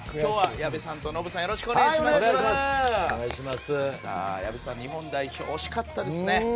矢部さん日本代表惜しかったですね。